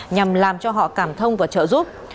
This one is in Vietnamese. nhằm làm cho họ cảm thông và trợ giúp